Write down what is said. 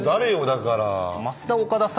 だから。